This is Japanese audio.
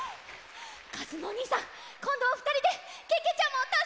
かずむおにいさんこんどはふたりでけけちゃまをたすけよう！